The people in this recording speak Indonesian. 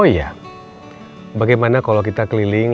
oh iya bagaimana kalau kita keliling